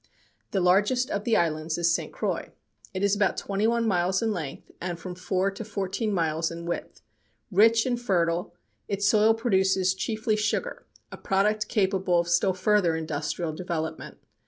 The largest of the islands is St. Croix. It is about twenty one miles in length and from four to fourteen miles in width. Rich and fertile, its soil produces chiefly sugar, a product capable of still further industrial development.